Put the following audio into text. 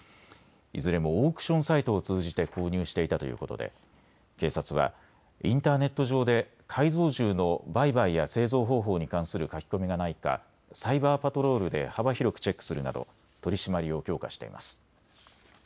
いずれもオークションサイトを通じて購入していたということで警察はインターネット上で改造銃の売買や製造方法に関する書き込みがないかサイバーパトロールで幅広くチェックするなど取締りを強化しています。